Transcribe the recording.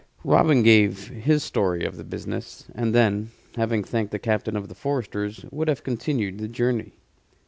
Robin gave his story of the business, and then, having thanked the captain of the foresters, would have continued the journey.